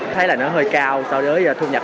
thấy là nó hơi cao so với thu nhập